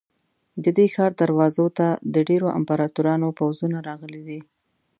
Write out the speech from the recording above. د دې ښار دروازو ته د ډېرو امپراتورانو پوځونه راغلي دي.